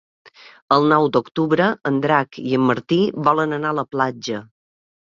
El nou d'octubre en Drac i en Martí volen anar a la platja.